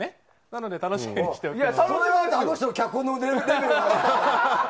なので、楽しみにしておきます。